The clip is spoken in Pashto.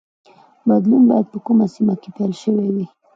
بدلون باید په کومه سیمه کې پیل شوی وای.